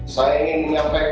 saya ingin menyampaikan berasal